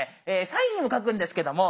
サインにも書くんですけども